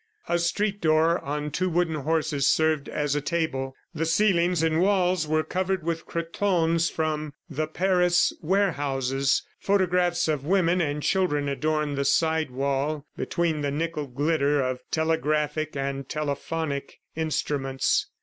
A street door on two wooden horses served as a table; the ceilings and walls were covered with cretonnes from the Paris warehouses; photographs of women and children adorned the side wall between the nickeled glitter of telegraphic and telephonic instruments.